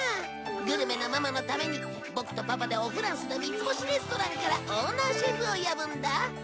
グルメなママのためにボクとパパでおフランスの三つ星レストランからオーナーシェフを呼ぶんだ！